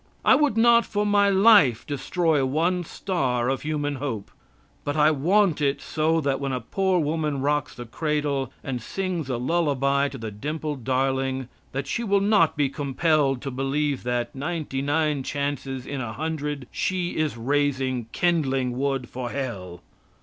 I would not for my life destroy one star of human hope; but I want it so that when a poor woman rocks the cradle, and sings a lullaby to the dimpled darling, that she will not be compelled to believe that, ninety nine chances in a hundred, she is raising kindling wood for hell.